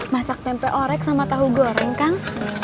masak tempe orek sama tahu goreng kang